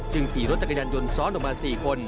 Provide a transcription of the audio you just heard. ขี่รถจักรยานยนต์ซ้อนออกมา๔คน